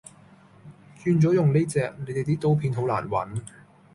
轉咗用呢隻，你地啲刀片好難搵